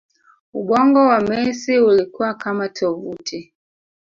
ubongo wa Messi ulikuwa kama tovuti